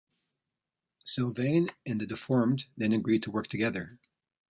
Sylvain and the Deformed then agree to work together.